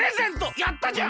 やったじゃん！